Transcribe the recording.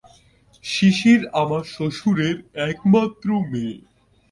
শিশির আমার শ্বশুরের একমাত্র মেয়ে।